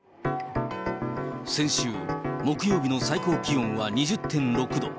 先週木曜日の最高気温は２０．６度。